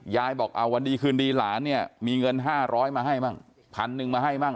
ยายบอกเอาวันดีคืนดีหลานเนี่ยมีเงิน๕๐๐มาให้บ้างพันหนึ่งมาให้บ้าง